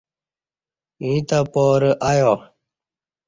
ییں تہ پارہ ایہ